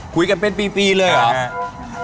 คุยกันเป็นปีเลยเหรอ